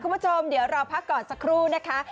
คุณผู้ชมเดี๋ยวเราพักก่อนสักครู่นะคะ